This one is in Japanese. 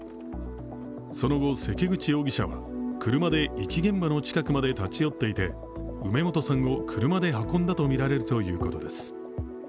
その後、関口容疑者は車で遺棄現場の近くまで立ち寄っていて梅本さんを車で運んだとみられるということです。